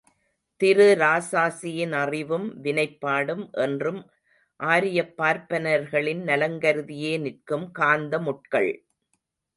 திரு இராசாசியின் அறிவும், வினைப்பாடும் என்றும் ஆரியப் பார்ப்பனர்களின் நலங்கருதியே நிற்கும் காந்த முட்கள்!